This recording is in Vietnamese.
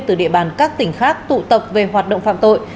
từ địa bàn các tỉnh khác tụ tập về hoạt động phạm tội